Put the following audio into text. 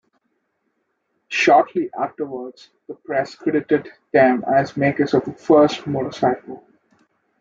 Shortly afterwards, the press credited them as makers of the first motorcycle.